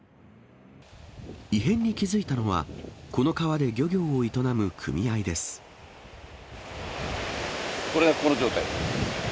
異変に気付いたのは、この川これがこの状態。